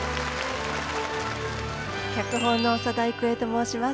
脚本の長田育恵と申します。